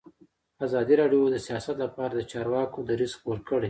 ازادي راډیو د سیاست لپاره د چارواکو دریځ خپور کړی.